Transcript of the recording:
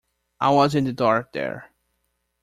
I was in the dark there.